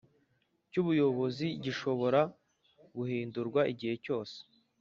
cy ubuyobozi gishobora guhindurwa igihe cyose